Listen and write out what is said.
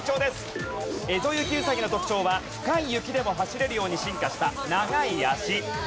エゾユキウサギの特徴は深い雪でも走れるように進化した長い脚。